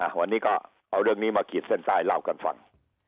วันนี้ก็เอาเรื่องนี้มาขีดเส้นใต้เล่ากันฟัง